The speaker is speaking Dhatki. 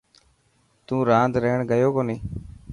تون راند رهڻ گيو ڪوني؟